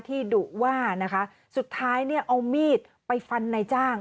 ที่ดุว่านะคะสุดท้ายเอามีดไปฟันในจ้าง